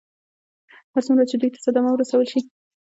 هر څومره چې دوی ته صدمه ورسول شي.